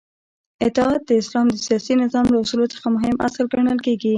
اطاعت د اسلام د سیاسی نظام له اصولو څخه مهم اصل ګڼل کیږی